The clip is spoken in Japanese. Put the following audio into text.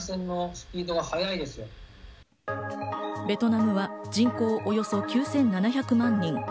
ベトナムは人口およそ９７００万人。